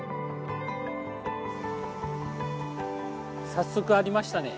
早速ありましたね。